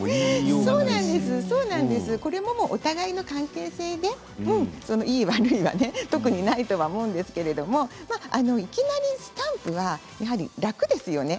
これもお互いの関係性でいい悪いは特にないとは思うんですけれどもいきなりスタンプは楽ですよね。